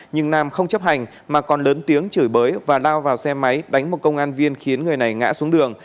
nhưng nam không chấp hành mà còn lớn tiếng chửi bới và lao vào xe máy đánh một công an viên khiến người này ngã xuống đường